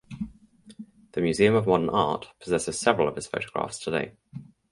The Museum of Modern Art possesses several of his photographs today.